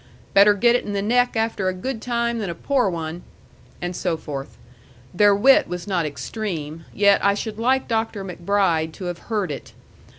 Better get it in the neck after a good time than a poor one." And so forth. Their wit was not extreme, yet I should like Dr. MacBride to have heard it.